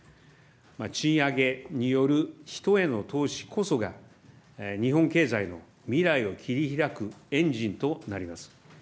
賃上げによる人への投資こそが、日本経済の未来を切り開くエンジンとなります。